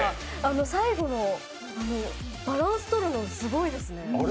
最後のバランスとるのすごいですね。